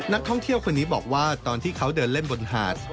นักท่องเที่ยวคนนี้บอกว่าตอนที่เขาเดินเล่นบนหาด